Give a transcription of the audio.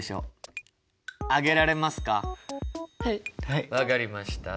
はい分かりました。